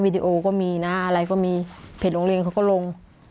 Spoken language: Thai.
ดีโอก็มีนะอะไรก็มีเพจโรงเรียนเขาก็ลง